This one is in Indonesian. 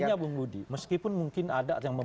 artinya bung budi meskipun mungkin ada yang